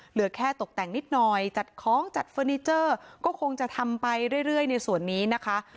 เหลือแค่ตกแต่งนิดหน่อยจัดของจัดเฟอร์นิเจอร์ก็คงจะทำไปเรื่อยในส่วนนี้นะคะ